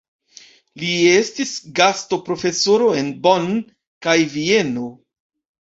Li estis gastoprofesoro en Bonn kaj Vieno.